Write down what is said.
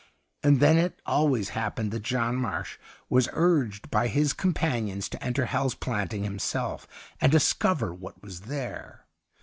And then it always happened that John Marsh was urged by his companions to enter Hal's Planting himself, and discover what was there.